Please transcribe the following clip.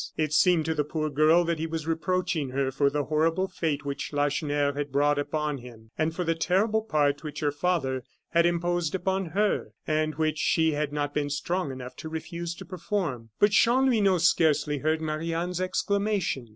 It seemed to the poor girl that he was reproaching her for the horrible fate which Lacheneur had brought upon him, and for the terrible part which her father had imposed upon her, and which she had not been strong enough to refuse to perform. But Chanlouineau scarcely heard Marie Anne's exclamation.